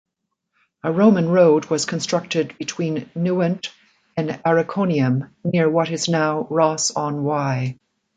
A Roman road was constructed between Newent and Ariconium, near what is now Ross-on-Wye.